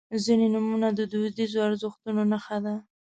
• ځینې نومونه د دودیزو ارزښتونو نښه ده.